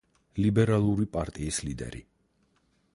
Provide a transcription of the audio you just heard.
ლიბერალური პარტიის ლიდერი.